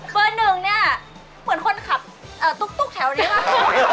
เบอร์หนึ่งเนี่ยเหมือนคนขับตุ๊กแถวนี้มาก